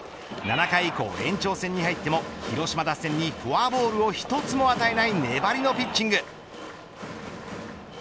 ７回以降延長戦に入っても広島打線にフォアボールを１つも与えない粘りのピッチング。